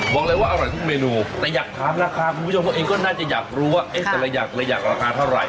บอกเลยว่าอร่อยทุกเมนูแต่อยากถามราคาคุณผู้ชมเขาเองก็น่าจะอยากรู้ว่าเอ๊ะแต่ละอย่างละอยากราคาเท่าไหร่